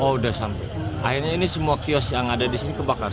oh udah sampai akhirnya ini semua kios yang ada di sini kebakar